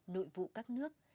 nội vụ các nước